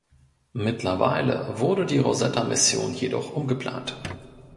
Mittlerweile wurde die Rosetta-Mission jedoch umgeplant.